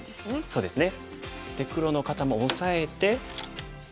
そうですね。